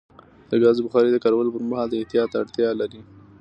د ګازو بخاري د کارولو پر مهال د احتیاط اړتیا لري.